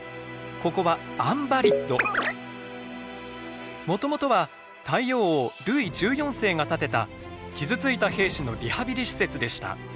ここはもともとは太陽王ルイ１４世が建てた傷ついた兵士のリハビリ施設でした。